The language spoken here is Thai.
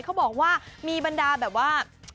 เขาบอกว่ามีบรรดาแบบว่า